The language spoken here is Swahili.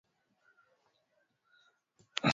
Anonymous Zinajulikana na kutumiwa kwa aina tofauti za